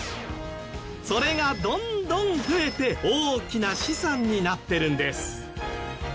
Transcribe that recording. それがどんどん増えて大きな資産になってるんです